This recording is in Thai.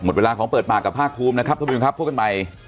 หมดเวลาของเปิดปากกับภาคภูมินะครับพบกันใหม่